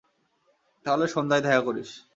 তাহলে সন্ধ্যায় দেখা করিস।